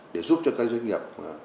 để giúp cho các doanh nghiệp